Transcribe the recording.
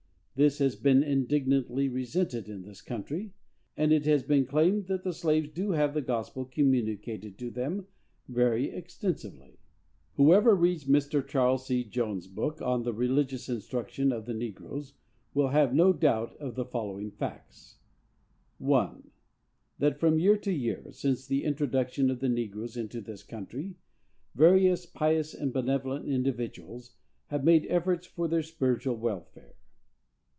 This has been indignantly resented in this country, and it has been claimed that the slaves do have the gospel communicated to them very extensively. Whoever reads Mr. Charles C. Jones' book on the religious instruction of the negroes will have no doubt of the following facts: 1. That from year to year, since the introduction of the negroes into this country, various pious and benevolent individuals have made efforts for their spiritual welfare.